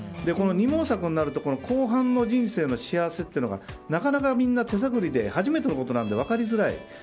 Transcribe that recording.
今度は二毛作になると後半の人生の幸せっていうのがなかなか、みんな手探りで初めてのことなんで分かりづらい。